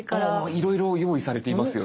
いろいろ用意されていますよね。